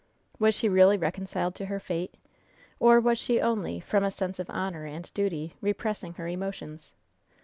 Was she really reconciled to her fate? Or was she only, from a sense of honor and of duty, repressing her emotions?